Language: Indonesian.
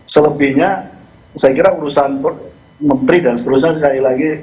selebihnya saya kira urusan menteri dan seterusnya sekali lagi